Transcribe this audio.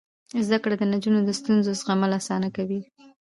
زده کړه د نجونو د ستونزو زغمل اسانه کوي.